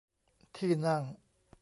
ที่นั่ง